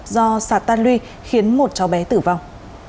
do sạt tan luy khiến một cháu bé tử vong